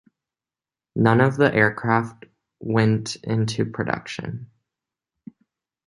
None of the aircraft went into production.